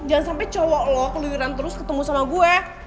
jangan sampe cowok lo keluiran terus ketemu sama gue